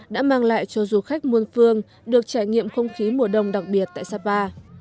đã mang lại cho du khách muôn phương được trải nghiệm không khí mùa đông đặc biệt tại sapa